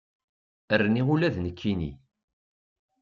Rniɣ ula d nekkini.